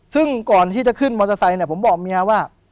ซึ่งก่อนที่จะขึ้นมอเตอร์ไซค์เนี่ยผมบอกเมียว่า